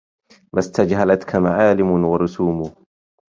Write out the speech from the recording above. ما استجهلتك معالم ورسوم